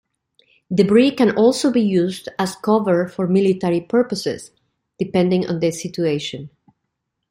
Debris can also be used as cover for military purposes, depending on the situation.